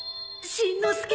しんのすけ！